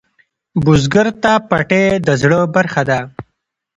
بزګر ته پټی د زړۀ برخه ده